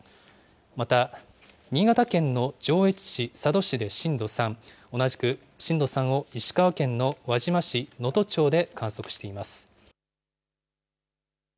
また新潟県の上越市、佐渡市で震度３、同じく震度３を石川県の輪島市、能登町で観測しています。